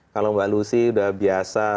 kalau mbak lucy udah biasa